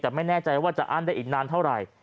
แต่ไม่แน่ใจว่าจะอั้นได้อีกนานเท่าไหร่